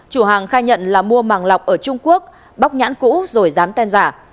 chủ hàng khai nhận là mua màng lọc ở trung quốc bóc nhãn cũ rồi dán tem giả